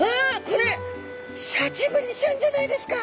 これシャチブリちゃんじゃないですか。